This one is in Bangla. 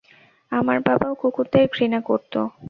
আমার বাবাও কুকুরদের ঘৃণা করতো।